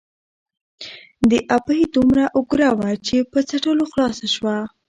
ـ د ابۍ دومره اګوره وه ،چې په څټلو خلاصه شوه.